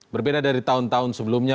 berbeda dari tahun tahun sebelumnya